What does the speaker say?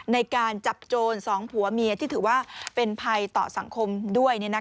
ในการจับโจรสองผัวเมียที่ถือว่าเป็นภัยต่อสังคมด้วย